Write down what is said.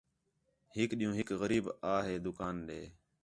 ہِک ݙِین٘ہوں ہِک غریب آ ہے دُکان ݙے